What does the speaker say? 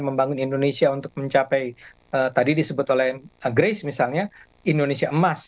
membangun indonesia untuk mencapai tadi disebut oleh grace misalnya indonesia emas